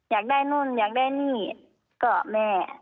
อยากได้นู่นอยากได้นี่ก็แม่